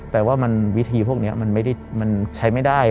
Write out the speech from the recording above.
แต่ว่าวิธีพวกนี้มันใช้ไม่ได้